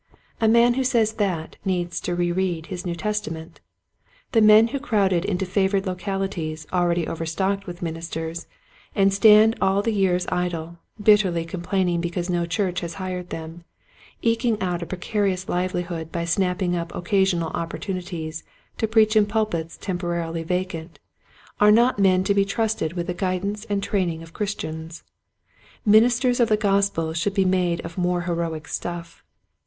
A man who says that needs to reread his New Testament. The men who crowd into favored localities already overstocked with ministers and stand all the years idle, bitterly complaining because no church has hired them, eking out a precarious livelihood by snapping up occasional opportunities to preach in pul pits temporarily vacant, are not men to be trusted with the guidance and training of Christians. Ministers of the Gospel should be made of more heroic stuff.